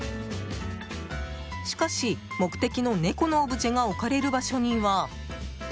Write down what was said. しかし、目的の猫のオブジェが置かれる場所には。